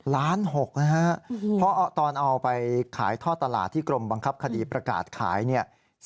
๑๖ล้านเพราะตอนเอาไปขายท่อตลาดที่กรมบังคับคดีประกาศขาย